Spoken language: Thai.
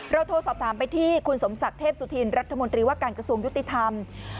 โทรสอบถามไปที่คุณสมศักดิ์เทพสุธินรัฐมนตรีว่าการกระทรวงยุติธรรม